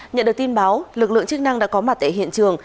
nhận được tin báo lực lượng chức năng đã có mặt tại hiện trường